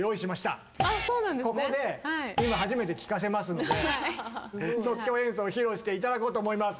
ここで今初めて聴かせますので即興演奏を披露して頂こうと思います。